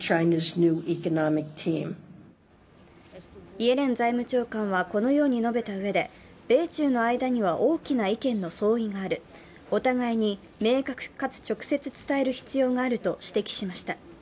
イエレン財務長官はこのように述べたうえで米中の間には大きな意見の相違がある、お互いに明確かつ直接伝える必要があると指摘しました。